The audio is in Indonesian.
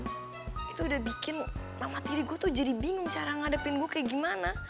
tapi tuh udah bikin sama tiri gue tuh jadi bingung cara ngadepin gue kayak gimana